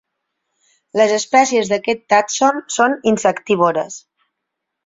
Les espècies d'aquest tàxon són insectívores.